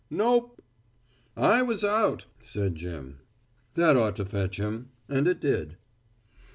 "Nope." "I was out," said Jim. That ought to fetch him and it did.